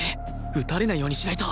撃たれないようにしないと